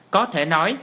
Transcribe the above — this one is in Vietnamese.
có thể nói